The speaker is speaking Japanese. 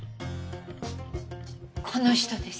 この人です。